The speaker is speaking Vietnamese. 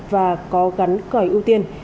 và có gắn cởi ưu tiên